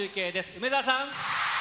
梅澤さん。